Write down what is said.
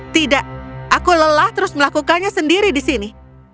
tidak aku lelah terus melakukannya sendiri di sini